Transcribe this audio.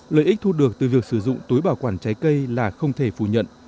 lợi ích thu được từ việc sử dụng túi bảo quản trái cây là không thể phủ nhận